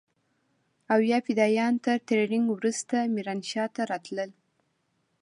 او يا فدايان تر ټرېننگ وروسته ميرانشاه ته راتلل.